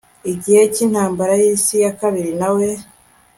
gihe cy'intambara y'isi ya kabiri nawe